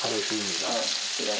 はい。